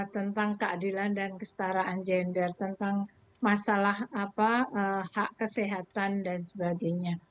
tentang keadilan dan kestaraan gender tentang masalah hak kesehatan dan sebagainya